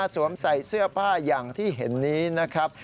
สวมใส่เสื้อผ้าอย่างที่เห็นนี้นะครับ